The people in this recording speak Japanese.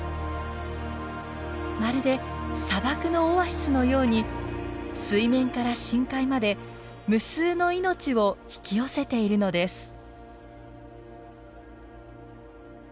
まるで砂漠のオアシスのように水面から深海まで無数の命を引き寄せているのです。